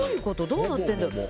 どうなってるんだろう。